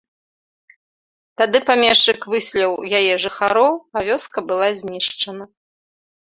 Тады памешчык выселіў яе жыхароў, а вёска была знішчана.